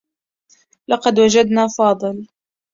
لقد وجدنا فاضل.